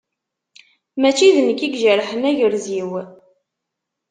Mačči d nekk i ijerḥen agrez-is.